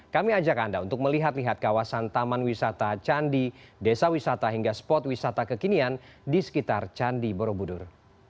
kami ajak anda untuk melihat lihat kawasan taman wisata candi desa wisata hingga spot wisata kekinian di sekitar candi borobudur